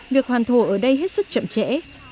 việc hoàn thổ ở đây hết sức chậm trễ